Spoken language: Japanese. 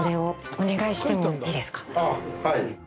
ああはい。